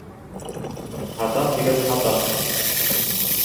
Һатам тигәс, һатам!